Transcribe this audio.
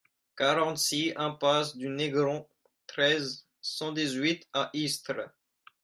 quarante-six impasse du Négron, treize, cent dix-huit à Istres